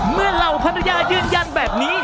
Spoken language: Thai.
เมื่อเหล่าภรรยายื่นยันแบบนี้